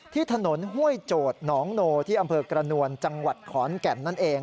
ที่ถนนห้วยโจทย์หนองโนที่อำเภอกระนวลจังหวัดขอนแก่นนั่นเอง